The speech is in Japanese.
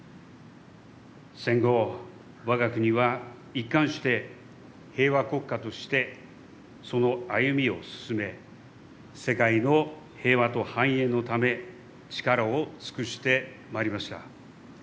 戦後、我が国は一貫して平和国家として、その歩みを進め世界の平和と繁栄のため力を尽くしてまいりました。